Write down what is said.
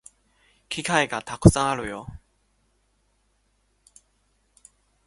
機会がたくさんあるよ